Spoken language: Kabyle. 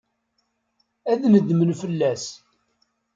Ad nedmen fell-as.